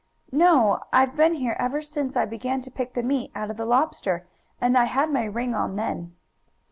"No, I've been here ever since I began to pick the meat out of the lobster, and I had my ring on then."